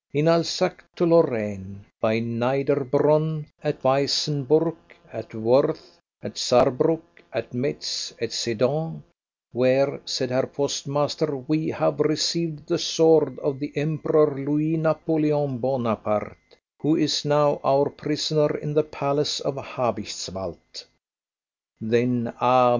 In Alsace and to Lorraine, by Neiderbronn, at Weissenburg, at Woërth, at Saarbruck, at Metz, at Sedan, "where," said Herr postmaster, "we have received the sword of the Emperor Louis Napoleon Bonaparte, who is now our prisoner in the Palace of the Habichtswald." Then ah!